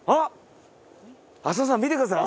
浅野さん見てください。